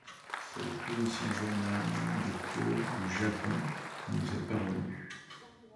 C'est le plus ancien journal de cour du Japon qui nous est parvenu.